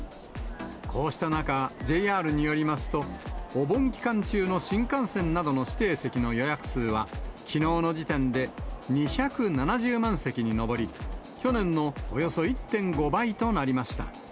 こうした中、ＪＲによりますと、お盆期間中の新幹線などの指定席の予約数は、きのうの時点で２７０万席に上り、去年のおよそ１．５倍となりました。